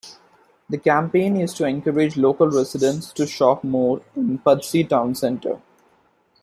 The campaign is to encourage local residents to shop more in Pudsey Town Centre.